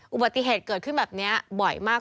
อุบัติเหตุเกิดขึ้นแบบนี้บ่อยมาก